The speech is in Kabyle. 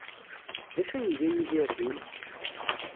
D acu ay iga Yidir din?